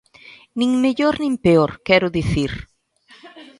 Nin mellor nin peor, quero dicir.